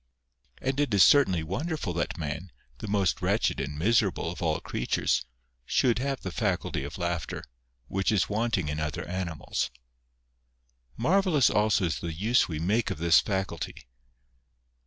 And it is certainly wonderful that man, the most wretched and miserable of all creatures, should have the faculty of laughter, which is wanting in other animals. Marvellous also is the u^e we make of this faculty